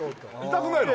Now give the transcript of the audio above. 痛くないの？